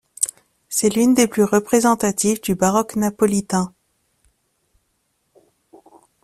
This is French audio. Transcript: C'est l'une des plus représentatives du baroque napolitain.